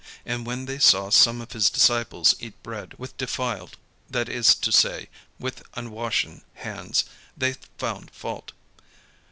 And when they saw some of his disciples eat bread with defiled, that is to say, with unwashen, hands, they found fault.